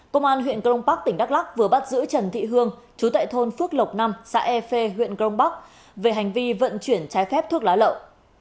công an huyện công bắc tỉnh đắk lắc vừa bắt giữ trần thị hương trú tại thôn phước lộc năm xã e phê huyện công bắc về hành vi vận chuyển trái phép thuốc lá lậu